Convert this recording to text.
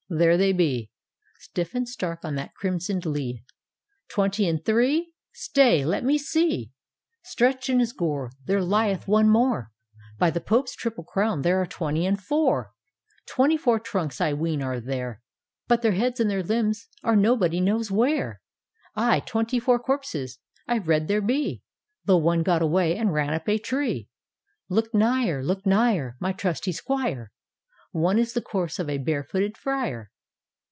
There they be. Stiff and stark on that crimson'd lea! — Twenty and three? — Stay — let mc see! Stretched in his gore There lieth one morel By the Pope's triple crown there are twenty and four/ Twenty four trunks I ween are there But their heads and their limbs are no body knows where ! Ay, twenty four corpses, I rede there be. Though one got away, and ran up a tree !"" Look nigher, look nigher, My trusty Squire! "" One is the corse of a bare footed Friar!